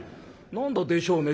何だ「でしょうね」